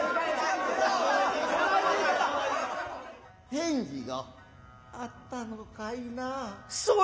返事があったのかいなァ。